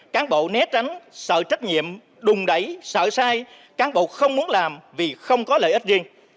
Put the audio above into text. cán bộ né tránh sợ trách nhiệm đùng đẩy sợ sai cán bộ không muốn làm vì không có lợi ích riêng